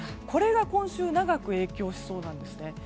これが今週長く影響しそうなんですね。